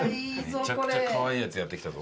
めちゃくちゃカワイイやつやって来たぞ。